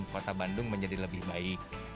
kota bandung menjadi lebih baik